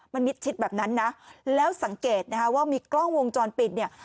มันมิดชิดแบบนั้นนะแล้วสังเกตนะคะว่ามีกล้องวงจรปิดเนี่ย